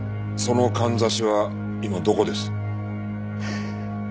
そのかんざしは今どこです？はあ。